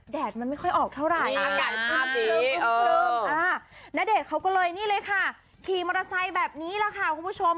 แต่เขาก็เลยนี่เลยค่ะขี่มอเตอร์ไซค์แบบนี้แหละค่ะคุณผู้ชม